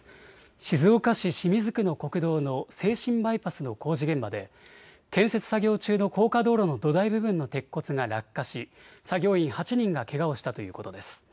静岡市清水区の国道の静清バイパスの工事現場で建設作業中の高架道路の土台部分の鉄骨が落下し、作業員８人がけがをしたということです。